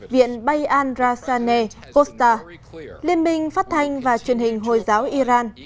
viện bayan rasaneh qudsar liên minh phát thanh và truyền hình hồi giáo iran